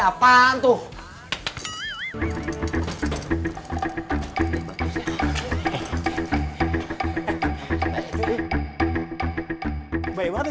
kalau anak saya tahu